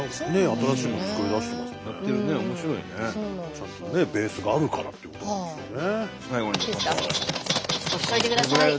ちゃんとねベースがあるからっていうことなんでしょうね。